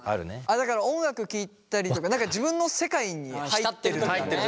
だから音楽聴いたりとか自分の世界に入ってる時だね。